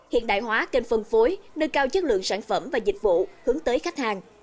hiện đại hóa kênh phân phối nâng cao chất lượng sản phẩm và dịch vụ hướng tới khách hàng